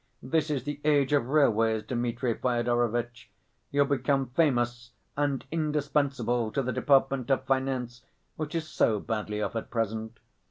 This is the age of railways, Dmitri Fyodorovitch. You'll become famous and indispensable to the Department of Finance, which is so badly off at present.